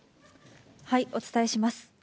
お伝えします。